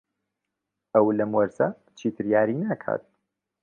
ئەو لەم وەرزە چیتر یاری ناکات.